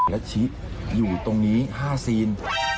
และชิอยู่ตรงนี้๕ซีน